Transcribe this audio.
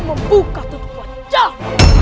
membuka tutup wajahmu